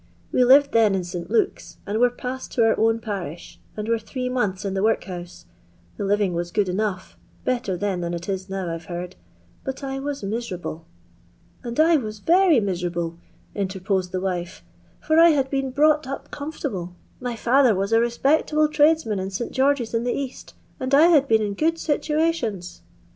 We lived then in St Luke's, and were passed to our own parish, and were three months in the work house. The living was good enough, better then than it is now, I 've heard, but I waa miserable." [ And I was very miserable," interposed the wife, "for I had been brought up comfortable; my &ther waa a respectable tradesman in St. GeorgeV in the Saat^ and I bad been in good situationa."